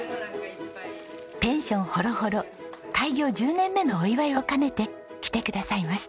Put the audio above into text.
ペンションほろほろ開業１０年目のお祝いを兼ねて来てくださいました。